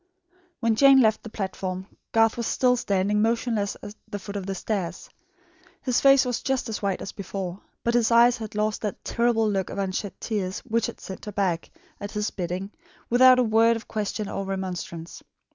When Jane left the platform, Garth was still standing motionless at the foot of the stairs. His face was just as white as before, but his eyes had lost that terrible look of unshed tears, which had sent her back, at his bidding, without a word of question or remonstrance.